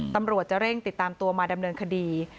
ตำรวจจะเร่งติดตามตัวมาดำเนินคดี